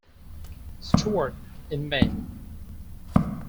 Stuart in May.